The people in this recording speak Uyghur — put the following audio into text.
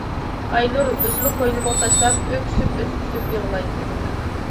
ئاينۇر ئۆزىنى قوينۇمغا تاشلاپ ئۆكسۈپ- ئۆكسۈپ يىغلايتتى.